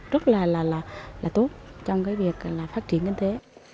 rất là tốt trong cái việc là phát triển kinh tế